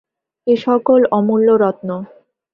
এ সকল অমূল্য রত্ন।